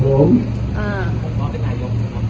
ผมพร้อมให้นายก